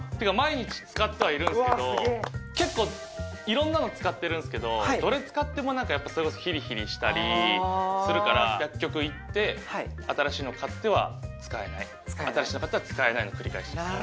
結構いろんなの使ってるんすけどどれ使ってもなんかやっぱりそれこそヒリヒリしたりするから薬局行って新しいの買っては使えない新しいの買っては使えないの繰り返しです